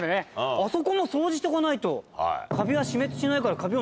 あそこも掃除しておかないとカビは死滅しないから。